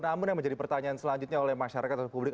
namun yang menjadi pertanyaan selanjutnya oleh masyarakat atau publik